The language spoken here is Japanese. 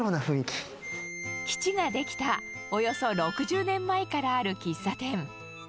基地が出来たおよそ６０年前からある喫茶店。